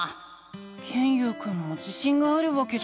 ケンユウくんも自しんがあるわけじゃないんだ。